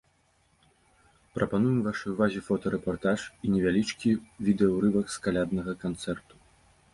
Прапануем вашай увазе фотарэпартаж і невялічкі відэа-ўрывак з каляднага канцэрту.